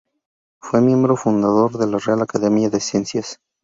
Fue miembro fundador de la Real Academia de Ciencias.